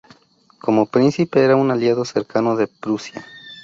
Como príncipe era un aliado cercano de Prusia.